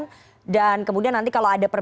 betul dan kemudian nanti kalau ada yang menang